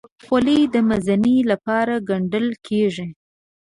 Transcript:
خولۍ د مزینۍ لپاره ګنډل کېږي.